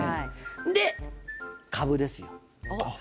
で、かぶですよ。